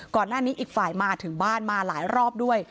ก่อนหน้านี้อีกฝ่ายมาถึงบ้านมาหลายรอบด้วย